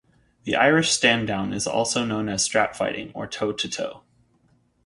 The Irish stand down is also known as strap fighting or toe to toe.